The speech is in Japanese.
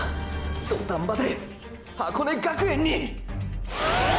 土壇場で箱根学園に！！